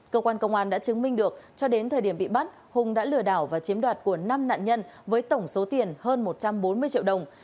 cơ quan công an đã chứng minh được cho đến thời điểm bị bắt hùng đã lừa đảo và chiếm đoạt của năm nạn nhân với tổng số tiền hơn một trăm bốn mươi triệu đồng